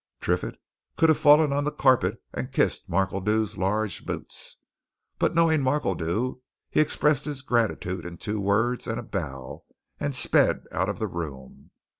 Triffitt could have fallen on the carpet and kissed Markledew's large boots. But knowing Markledew, he expressed his gratitude in two words and a bow, and sped out of the room.